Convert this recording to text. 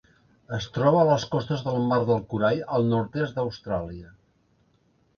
Es troba a les costes del mar del Corall al nord-est d'Austràlia.